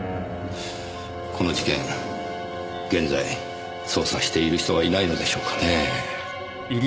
この事件現在捜査している人はいないのでしょうかねぇ。